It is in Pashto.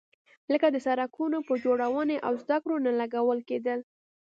لکه د سړکونو پر جوړونې او زده کړو نه لګول کېدل.